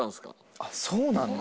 あっそうなんだ。